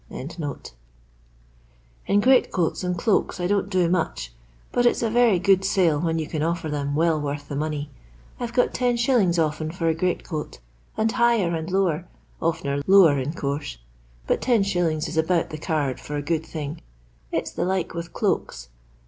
]In greatcoats and cloaks I don't do much, but it's a very good sale when you can offer them I well worth the money. I've got lOt. often for a greatcoat, and higher and lower, oftener ' lower in course ; but lOi. is about the card for a I good thing. It 'i the like with cloaks.